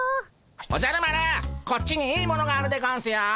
おじゃる丸こっちにいいものがあるでゴンスよ。